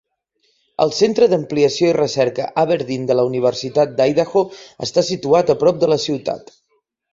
El centre d'ampliació i recerca Aberdeen de la Universitat d'Idaho està situat a prop de la ciutat.